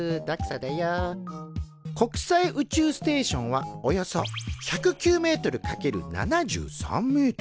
国際宇宙ステーションはおよそ１０９ｍ×７３ｍ。